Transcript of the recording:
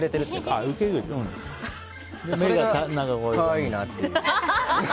それが可愛いなっていう。